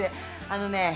あのね